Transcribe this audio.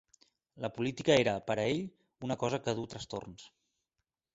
La política era, pera ell, una cosa que du trastorns